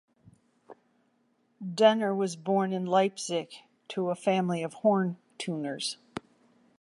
Denner was born in Leipzig to a family of horn-tuners.